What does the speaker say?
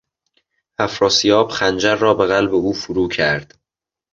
افراسیاب خنجر را به قلب او فرو کرد.